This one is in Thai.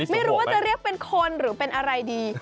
ไม่รู้ว่าจะเรียกเป็นคนหรือเป็นอะไรดี